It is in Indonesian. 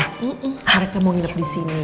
mereka mau hidup disini